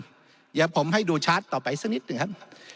เดี๋ยวผมให้ดูชาร์จต่อไปสักนิดหนึ่งครับ